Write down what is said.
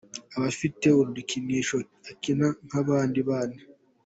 aba afite udukinisho akina nk'abandi bana.